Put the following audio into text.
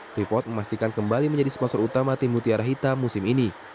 freeport memastikan kembali menjadi sponsor utama tim mutiara hitam musim ini